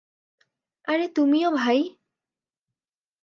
আরে তুমিও ভাই!